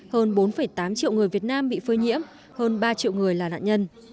hơn bốn tám triệu người việt nam bị phơi nhiễm hơn ba triệu người là nạn nhân